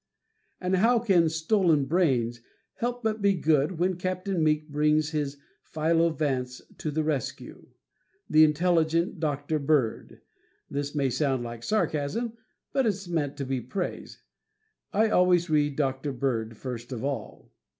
And how can "Stolen Brains" help but be good when Captain Meek brings his Philo Vance to the rescue that intelligent Dr. Bird. (This may sound like sarcasm, but it's meant to be praise.) I always read Dr. Bird first of all.